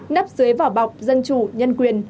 nắp dưới vỏ bọc dân chủ nhân quyền